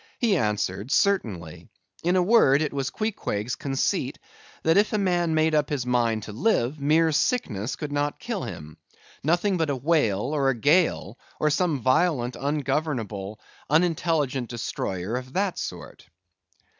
He answered, certainly. In a word, it was Queequeg's conceit, that if a man made up his mind to live, mere sickness could not kill him: nothing but a whale, or a gale, or some violent, ungovernable, unintelligent destroyer of that sort.